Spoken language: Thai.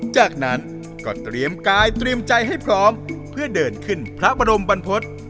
จากนั้นก็เตรียมกายเตรียมใจให้พร้อมเพื่อเดินขึ้นพระบรมบรรพฤษ